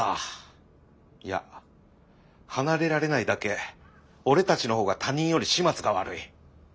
いや離れられないだけおれたちの方が他人より始末が悪い。